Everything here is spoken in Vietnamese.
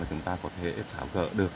chúng ta có thể thảo gỡ được